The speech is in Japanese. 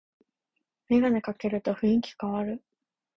メガネかけると雰囲気かわる